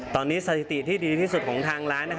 ตอนนี้สถิติที่ดีที่สุดของทางร้าน